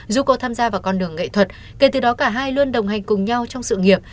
dù cô tham gia vào con đường nghệ thuật kể từ đó cả hai luôn đồng hành cùng nhau trong sự nghiệp